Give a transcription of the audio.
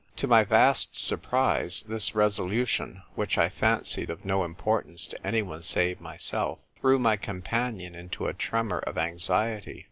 To my vast surprise, this resolution, which I fancied of no importance to anyone save myself, threw my companion into a tremor of anxiety.